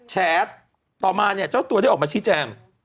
แชทต่อมาเนี่ยเจ้าตัวได้ออกมาชี้แจง